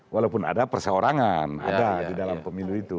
walaupun ada perseorangan ada di dalam pemilu itu